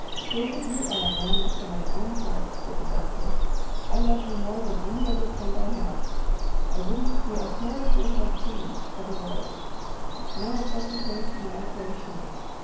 "David, you are a man after my own heart," said the doctor. "I love you more than any other friend I have I wouldn't see a hair of your head changed for the world. Now I've got to hurry to my operation.